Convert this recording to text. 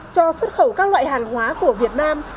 cho xuất khẩu các loại hàng hóa của việt nam